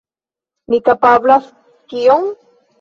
Mi kapablas kion?